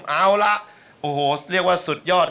เอาล่ะโอ้โหเรียกว่าสุดยอด